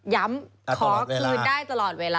ขอคืนได้ตลอดเวลา